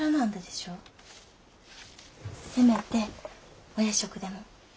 せめてお夜食でも。